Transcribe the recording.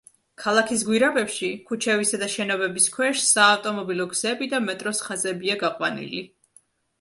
ქალაქის გვირაბებში, ქუჩებისა და შენობების ქვეშ, საავტომობილო გზები და მეტროს ხაზებია გაყვანილი.